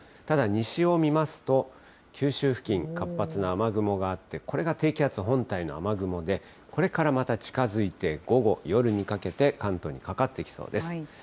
ただ、西を見ますと、九州付近、活発な雨雲があって、これが低気圧本体の雨雲で、これからまた近づいて午後、夜にかけて、関東にかかってきそうです。